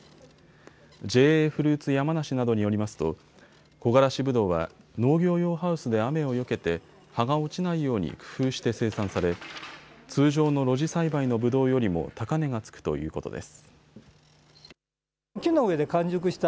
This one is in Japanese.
ＪＡフルーツ山梨などによりますとこがらしぶどうは農業用ハウスで雨をよけて葉が落ちないように工夫して生産され通常の露地栽培のぶどうよりも高値がつくということです。